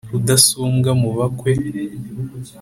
rudasumbwa mubakwe